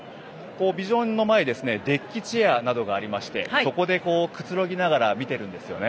ビジョンの前にデッキチェアなどがありましてそこでくつろぎながら見てるんですよね。